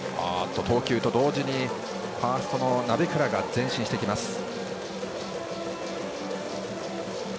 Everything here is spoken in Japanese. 投球と同時にファーストの鍋倉が前進してきました。